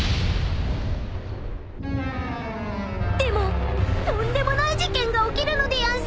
［でもとんでもない事件が起きるのでやんす］